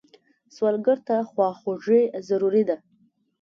سوالګر ته خواخوږي ضروري ده